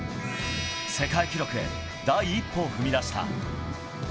世界記録へ、第一歩を踏み出した。